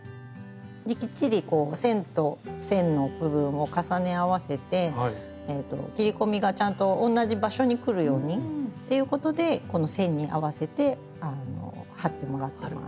きっちり線と線の部分を重ね合わせて切り込みがちゃんと同じ場所にくるようにっていうことでこの線に合わせて貼ってもらってます。